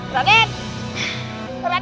rai tunggu rai